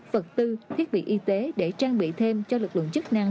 vật tư thiết bị y tế để trang bị thêm cho lực lượng chức năng